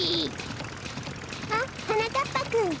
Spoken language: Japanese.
あっはなかっぱくん。